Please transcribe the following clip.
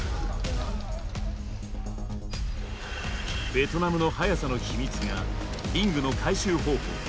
ベトナムのはやさの秘密がリングの回収方法。